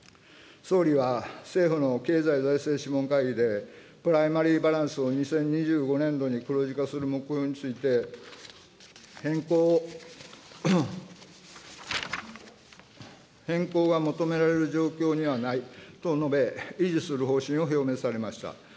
総理は、政府の経済財政諮問会議で、プライマリーバランスを２０２５年度に黒字化する目標について、変更が求められる状況にはないと述べ、維持する方針を表明されました。